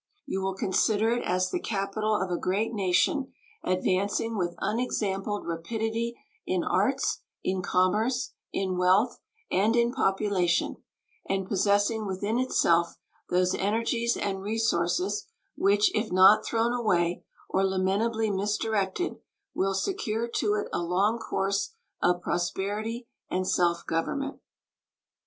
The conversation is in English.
You will consider it as the capital of a great nation advancing with unexampled rapidity in arts, in commerce, in wealth, and in population, and possessing within itself those energies and resources which, if not thrown away or lamentably misdirected, will secure to it a long course of prosperity and self government.